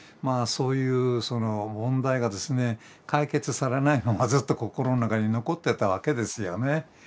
そういうその問題がですね解決されないままずっと心の中に残ってたわけですよね。